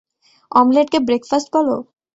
অমলেটকে breakfast বলো?